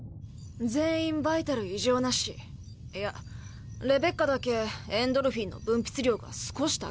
全員バイタル異常なしいやレベッカだけエンドルフィンの分泌量が少し高ぇ。